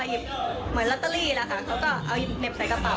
เหมือนล็อตเตอรี่แหละค่ะเขาก็เห็นแค่นั้นแล้วเขาก็เดินออกจากร้านไป